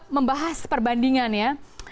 membahas perbandingan ya